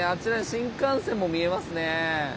新幹線も見えますね。